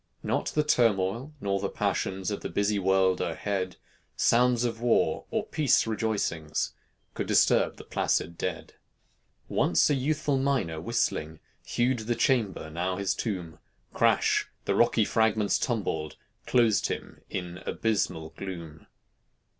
Not the turmoil, nor the passions, Of the busy world o'erhead, Sounds of war, or peace rejoicings, Could disturb the placid dead. Once a youthful miner, whistling, Hewed the chamber, now his tomb: Crash! the rocky fragments tumbled, Closed him in abysmal gloom.